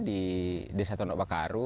di desa tondok bakaru